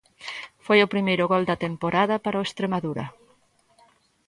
Foi o primeiro gol da temporada para o Estremadura.